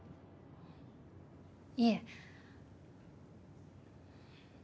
いえ。